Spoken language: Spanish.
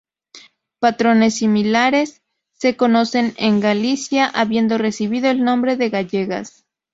Patrones similares se conocen en Galicia, habiendo recibido el nombre de "gallegas".